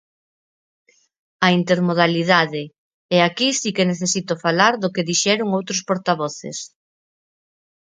A intermodalidade, e aquí si que necesito falar do que dixeron outros portavoces.